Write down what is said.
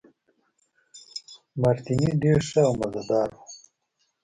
مارټیني ډېر ښه او مزه دار وو.